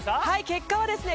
結果はですね